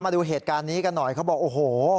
มาดูเหตุการณ์นี้กันหน่อยเขาบอกโอ้โห